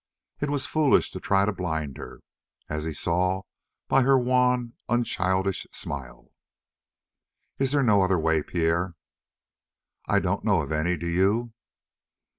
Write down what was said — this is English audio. It was foolish to try to blind her, as he saw by her wan, unchildish smile. "Is there no other way, Pierre?" "I don't know of any, do you?"